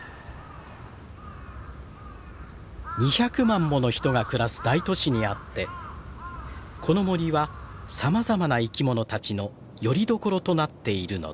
２００万もの人が暮らす大都市にあってこの森はさまざまな生き物たちのよりどころとなっているのです。